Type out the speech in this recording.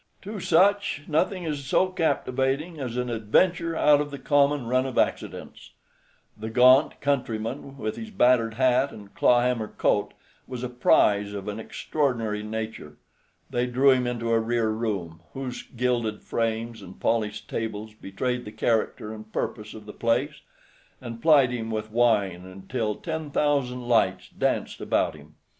To such nothing is so captivating as an adventure out of the common run of accidents. The gaunt countryman, with his battered hat and clawhammer coat, was a prize of an extraordinary nature. They drew him into a rear room, whose gilded frames and polished tables betrayed the character and purpose of the place, and plied him with wine until ten thousand lights danced about him.